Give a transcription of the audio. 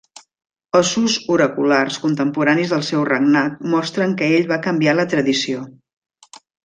Ossos oraculars contemporanis del seu regnat mostren que ell va canviar la tradició.